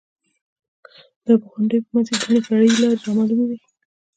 د غونډیو په منځ کې ګڼې فرعي لارې رامعلومې وې.